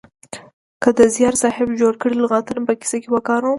که د زیار صاحب جوړ کړي لغاتونه په کیسه کې وکاروم